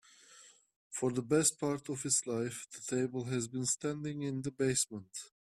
For the best part of its life, the table has been standing in the basement.